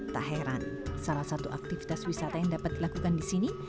tak heran salah satu aktivitas wisata yang dapat dilakukan di sini